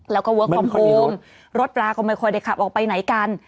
แล้วก็เวิร์คคอมโฮมรถปลาก็ไม่ค่อยได้ขับออกไปไหนกัน